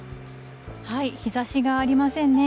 日ざしがありませんね。